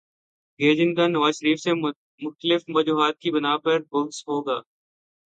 گے جن کا نواز شریف سے مختلف وجوہات کی بناء پہ بغض ہو گا۔